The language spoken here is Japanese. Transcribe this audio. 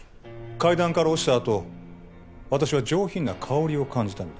階段から落ちたあと私は上品な香りを感じたのです